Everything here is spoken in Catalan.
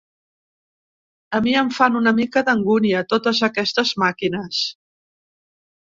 A mi em fan una mica d'angúnia, totes aquestes màquines.